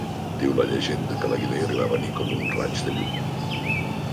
Diu la llegenda que la idea li va venir "com un raig de llum".